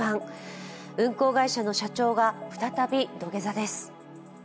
運航会社の社長が再び土下座です。